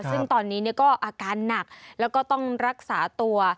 ซึ่งตอนนี้ก็อาการหนักแล้วก็ต้องรักษาตัว